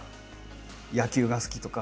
野球が好きとか。